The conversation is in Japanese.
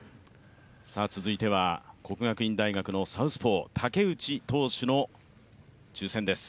続いては、国学院大学のサウスポー、武内投手の抽選です。